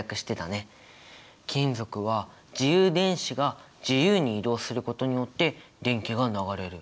金属は自由電子が自由に移動することによって電気が流れる。